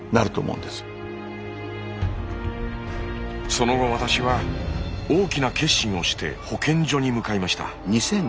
その後私は大きな決心をして保健所に向かいました。